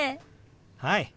はい！